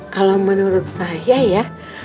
kalau menurut saya ya